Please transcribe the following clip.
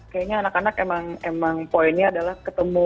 kayaknya anak anak emang poinnya adalah ketemu